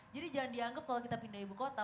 jadi jangan dianggap kalau kita pindah ibu kota